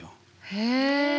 へえ。